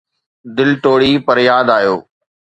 دل ٽوڙي، پر ياد آيو